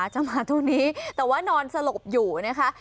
จะมาเท่านี้แต่ว่านอนสลบอยู่นะคะ